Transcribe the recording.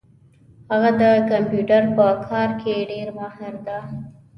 هغه د کمپیوټر په کار کي ډېر ماهر ده